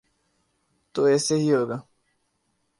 تو ایسے ہی ہوگا۔